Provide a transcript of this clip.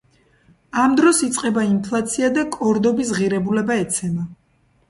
ამ დროს იწყება ინფლაცია და კორდობის ღირებულება ეცემა.